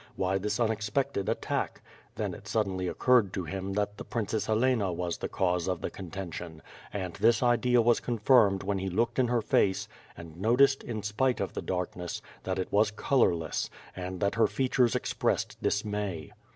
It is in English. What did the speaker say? Why this unexpected attack? Then it suddenly occurred to him that the Princess Helena was the cause of the contention; and this idea was confirmed when he looked in her face and noticed, in spite of the darkness, that it was colorless, and that her features expressed dismay.